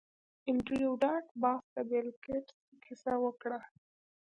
انډریو ډاټ باس د بیل ګیټس کیسه وکړه